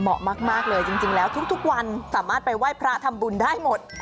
เหมาะมากเลยจริงแล้วทุกวันสามารถไปไหว้พระทำบุญได้หมด